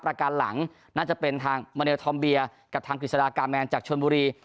ประการหลังน่าจะเป็นทางมาเนลทอมเบียกับทางกฤษฎากาแมนจากชนบุรี